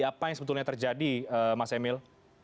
apa yang sebetulnya terjadi mas emil